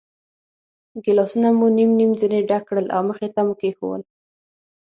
ګیلاسونه مو نیم نیم ځنې ډک کړل او مخې ته مو کېښوول.